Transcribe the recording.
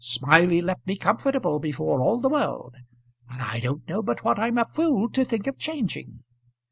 Smiley left me comfortable before all the world, and I don't know but what I'm a fool to think of changing.